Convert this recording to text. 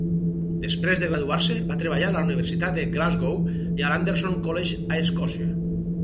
Després de graduar-se, va treballar a la Universitat de Glasgow i a l'Anderson College a Escòcia.